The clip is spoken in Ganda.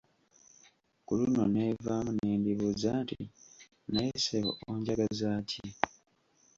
Ku luno neevaamu ne ndibuuza nti naye ssebo onjagaza ki?